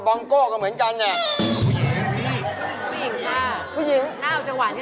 ผู้หญิงค่ะหน้าเอาจะหวานขนาดนี้